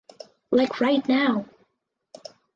Like right now!